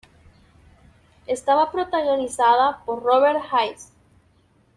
Estaba protagonizada por Robert Hays.